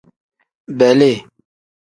Beli.